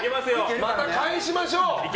また返しましょう。